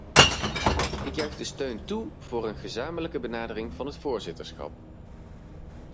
Ik juich de steun toe voor een gezamenlijke benadering van het voorzitterschap.